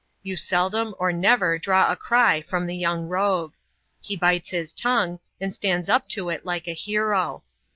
You seldom or never draw a cry from the yoijng rogue. He bites his tongue, and stands up to it like a hero.